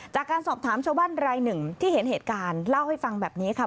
จากการสอบถามชาวบ้านรายหนึ่งที่เห็นเหตุการณ์เล่าให้ฟังแบบนี้ค่ะ